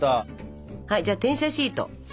はいじゃあ転写シート。